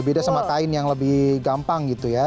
beda sama kain yang lebih gampang gitu ya